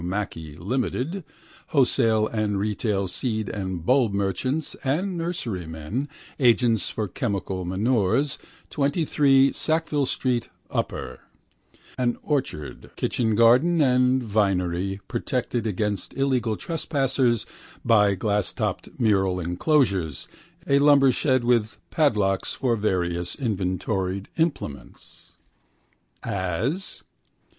Mackey (Limited) wholesale and retail seed and bulb merchants and nurserymen, agents for chemical manures, 23 Sackville street, upper), an orchard, kitchen garden and vinery, protected against illegal trespassers by glasstopped mural enclosures, a lumbershed with padlock for various inventoried implements. As?